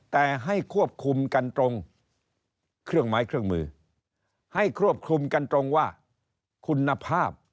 แต่ให้ควบคุมกันตรงเครื่องไม้เครื่องมือให้ควบคุมกันตรงว่าคุณภาพ